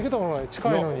近いのに。